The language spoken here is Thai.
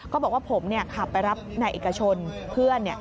บอกว่าผมขับไปรับนายเอกชนเพื่อน